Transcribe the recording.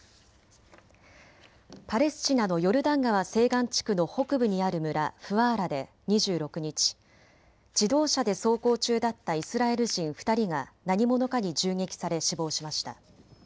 パレスチナのヨルダン川西岸地区の北部にある村、フワーラで２６日、自動車で走行中だったイスラエル人２人が何者かに銃撃され死亡しました。